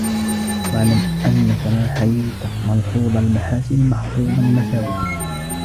وَاعْلَمْ أَنَّك مَا حَيِيتَ مَلْحُوظُ الْمَحَاسِنِ مَحْفُوظُ الْمَسَاوِئِ